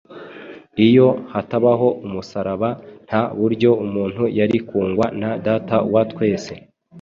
Iyo hatabaho umusaraba, nta buryo umuntu yari kungwa na Data wa twese.